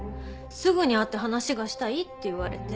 すぐに会って話がしたいって言われて。